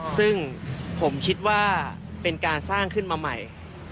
ซึ่งผมคิดว่าเป็นการสร้างขึ้นมาใหม่